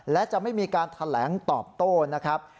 และจะไม่มีการแถลงตอบโต้นะครับ